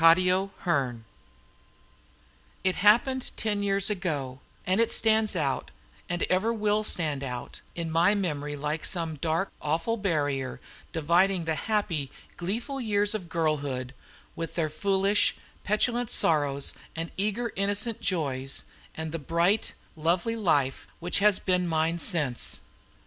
THE CEDAR CLOSET It happened ten years ago, and it stands out, and ever will stand out, in my memory like some dark, awful barrier dividing the happy, gleeful years of girlhood, with their foolish, petulant sorrows and eager, innocent joys, and the bright, lovely life which has been mine since.